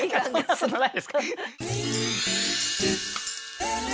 そんなことないですから。